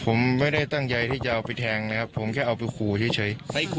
ผมไม่ได้ตั้งใจที่จะเอาไปแทงนะครับผมแค่เอาไปขู่เฉย